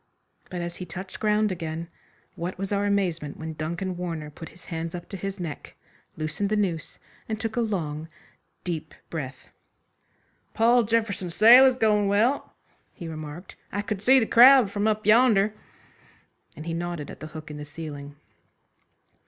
But as he touched ground again what was our amazement when Duncan Warner put his hands up to his neck, loosened the noose, and took a long, deep breath. "Paul Jefferson's sale is goin' well," he remarked, "I could see the crowd from up yonder," and he nodded at the hook in the ceiling.